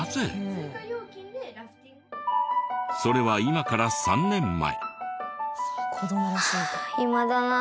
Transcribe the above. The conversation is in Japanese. それは今から３年前。